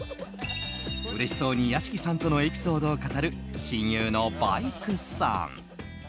うれしそうに屋敷さんとのエピソードを語る親友のバイクさん。